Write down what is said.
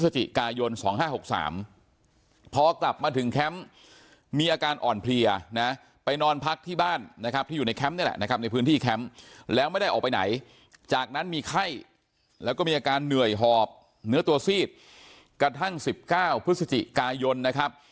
ที่อยู่ในแคมป์นี่แหละนะครับในพื้นที่แคมป์แล้วไม่ได้ออกไปไหนจากนั้นมีไข้แล้วก็มีอาการเหนื่อยหอบเนื้อตัวซีดกระทั่ง๑๙พฤศจิกายนต์นะครับ